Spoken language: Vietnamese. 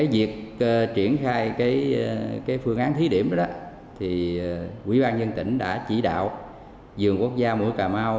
việc triển khai phương án thí điểm đó quỹ ban nhân tỉnh đã chỉ đạo vườn quốc gia mũi cà mau